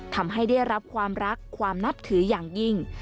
ทำให้ได้รับความรักความนับถืออย่างยิ่ง